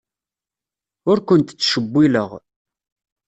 Ur kent-ttcewwileɣ.